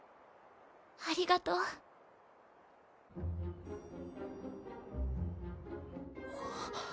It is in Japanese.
ありがとう。あっ。